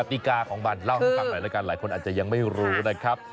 กฎิกาของบันเล่าข้างในละกันหลายคนอาจจะยังไม่รู้นะครับ